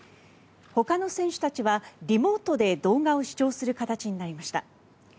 ほかの選手たちはリモートで動画を視聴する形になりました。